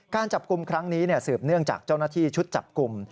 การจับกลุ่มครั้งนี้สืบเนื่องจากเจ้าหน้าที่ชุดจับกลุ่ม